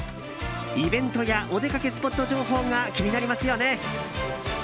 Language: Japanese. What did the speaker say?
イベントやお出かけスポット情報が気になりますよね？